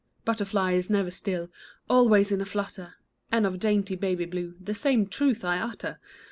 Butterfly is never still. Always in a flutter ; And of dainty Baby Blue The same truth I utter